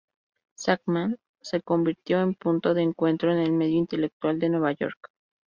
Shachtman se convirtió en punto de encuentro en el medio intelectual de Nueva York.